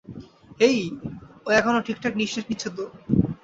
হেই, ও এখনো ঠিকঠাক নিশ্বাস নিচ্ছে তো?